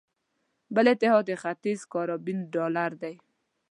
بل اتحاد د ختیځ کارابین ډالر دی.